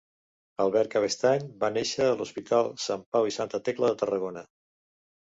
Albert Cabestany va néixer a l'Hospital Sant Pau i Santa Tecla de Tarragona.